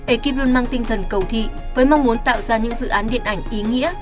ekip luôn mang tinh thần cầu thị với mong muốn tạo ra những dự án điện ảnh ý nghĩa